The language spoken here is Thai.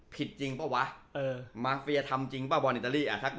ผิดจริงป่ะวะมาฟิยาทำจริงป่ะบอลอิตาลีถ้าเกิด